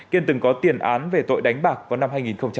kiên từng có tiền án về tội đánh bạc vào năm hai nghìn một mươi